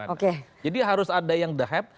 oke jadi harus ada yang the happ